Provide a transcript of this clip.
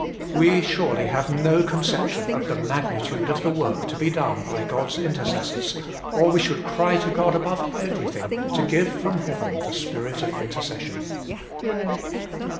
We surely have no conception of the magnitude of the work to be done by God s intercessors, or we should cry to God above everything to give from heaven the spirit of intercession.